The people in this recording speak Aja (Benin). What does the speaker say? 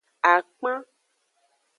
Akpan.